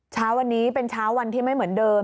เช้าวันนี้เป็นเช้าวันที่ไม่เหมือนเดิม